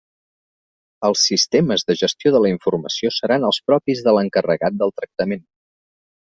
Els sistemes de gestió de la informació seran els propis de l'encarregat del tractament.